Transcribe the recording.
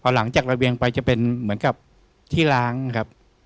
หลังจากระเบียงไปจะเป็นเหมือนกับที่ล้างครับ